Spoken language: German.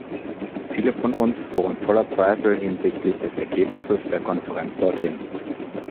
Viele von uns fuhren voller Zweifel hinsichtlich des Ergebnisses der Konferenz dort hin.